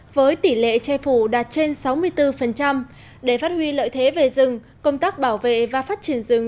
với tỷ lệ che phủ đạt trên sáu mươi bốn để phát huy lợi thế về rừng công tác bảo vệ và phát triển rừng